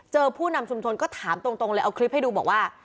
ผู้นำชุมชนก็ถามตรงเลยเอาคลิปให้ดูบอกว่า